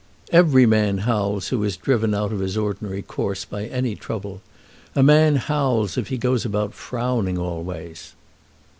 "Every man howls who is driven out of his ordinary course by any trouble. A man howls if he goes about frowning always."